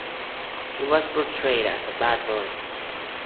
He was portrayed as a bad boy.